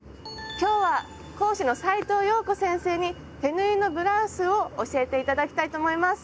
今日は講師の斉藤謠子先生に手縫いのブラウスを教えて頂きたいと思います。